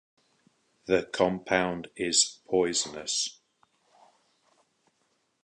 The compound is poisonous.